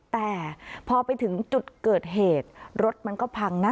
แต่พอไปถึงจุดเกิดเหตุรถมันก็พังนะ